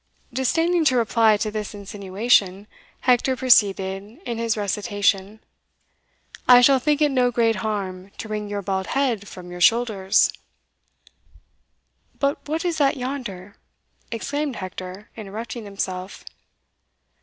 Disdaining to reply to this insinuation, Hector proceeded in his recitation: "I shall think it no great harm To wring your bald head from your shoulders But what is that yonder?" exclaimed Hector, interrupting himself.